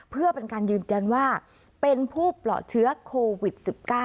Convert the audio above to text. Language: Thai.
เพื่อเป็นการยืนยันว่าเป็นผู้ปลอดเชื้อโควิด๑๙